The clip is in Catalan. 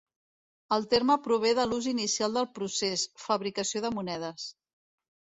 El terme prové de l'ús inicial del procés: fabricació de monedes.